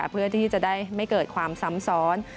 เพื่อที่จะได้ไม่เกิดความซ้ำซ้อน